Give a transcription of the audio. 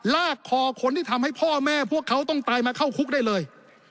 ลากคอคนที่ทำให้พ่อแม่พวกเขาต้องตายมาเข้าคุกได้เลย